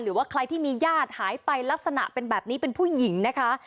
หรือว่าใครที่มีญาติหายไปลักษณะเป็นแบบนี้เป็นผู้หญิงนะคะ